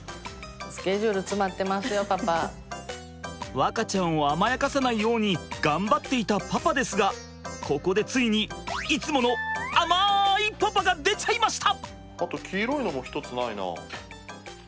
和花ちゃんを甘やかさないように頑張っていたパパですがここでついにいつもの甘いパパが出ちゃいました！